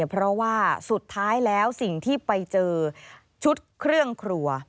เพราะว่าสุดท้ายแล้วสิ่งที่ไปเจอชุดเครื่องครัว